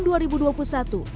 dunia kembali ke dunia